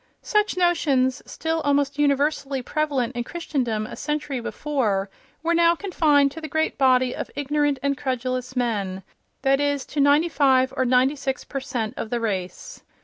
Such notions, still almost universally prevalent in Christendom a century before, were now confined to the great body of ignorant and credulous men—that is, to ninety five or ninety six percent. of the race.